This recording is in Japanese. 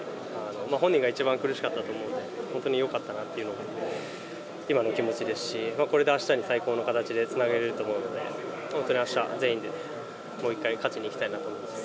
本人が一番苦しかったと思うんで、本当によかったなっていうのが今の気持ちですし、これであしたに最高の形でつなげれると思うので、本当にあした、全員でもう一回、勝ちにいきたいなと思います。